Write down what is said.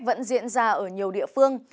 vẫn diễn ra ở nhiều địa phương